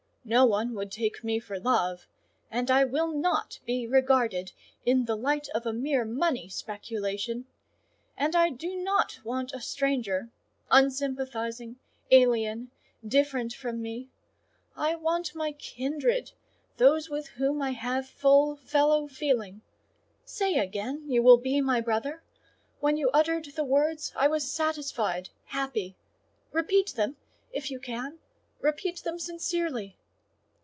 No one would take me for love; and I will not be regarded in the light of a mere money speculation. And I do not want a stranger—unsympathising, alien, different from me; I want my kindred: those with whom I have full fellow feeling. Say again you will be my brother: when you uttered the words I was satisfied, happy; repeat them, if you can, repeat them sincerely."